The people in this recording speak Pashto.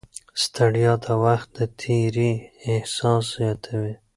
ستړیا د وخت د تېري احساس زیاتوي.